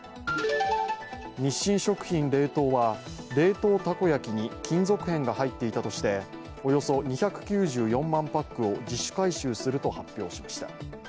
日清食品冷凍は冷凍たこ焼きに金属片が入っていたとしておよそ２９４万パックを自主回収すると発表しました。